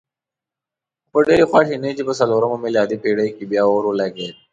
خو په ډېرې خواشینۍ چې په څلورمه میلادي پېړۍ کې بیا اور ولګېد.